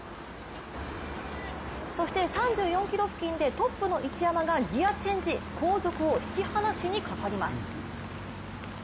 そして３４ｋｍ付近でトップの一山がギアチェンジ後続を引き離しにかかります。